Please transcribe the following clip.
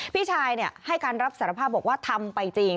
พี่ชายให้การรับสารภาพบอกว่าทำไปจริง